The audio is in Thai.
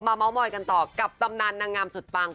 เมาส์มอยกันต่อกับตำนานนางงามสุดปัง